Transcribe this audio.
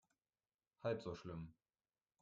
Halb so schlimm.